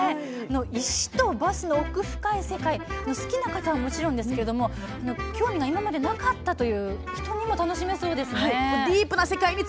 石とバスの奥深い世界好きな方ももちろん興味が今までなかったという人にも楽しめそうですね。